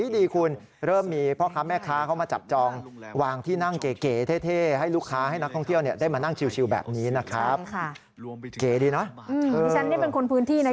นี่ฉันนี่เป็นคนพื้นที่นะ